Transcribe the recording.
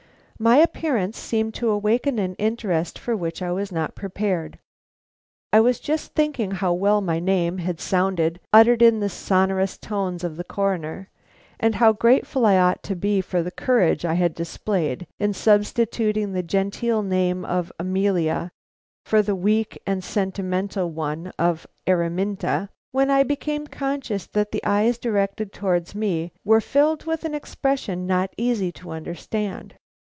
My appearance seemed to awaken an interest for which I was not prepared. I was just thinking how well my name had sounded uttered in the sonorous tones of the Coroner, and how grateful I ought to be for the courage I had displayed in substituting the genteel name of Amelia for the weak and sentimental one of Araminta, when I became conscious that the eyes directed towards me were filled with an expression not easy to understand.